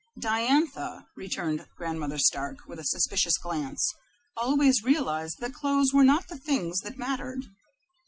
"Diantha," returned Grandmother Stark, with a suspicious glance, "always realized that clothes were not the things that mattered."